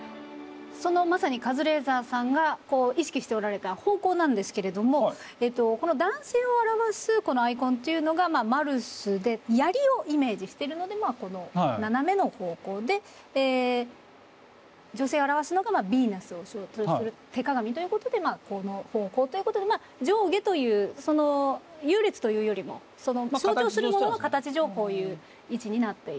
そのまさにカズレーザーさんがこう意識しておられた方向なんですけれどもえっとこの男性を表すアイコンというのがマルスで槍をイメージしてるのでこの斜めの方向で女性を表すのがビーナスを象徴する手鏡ということでまあこの方向ということで上下というその優劣というよりも象徴するものの形上こういう位置になっているということなんですね。